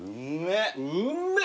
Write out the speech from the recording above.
うんめえ！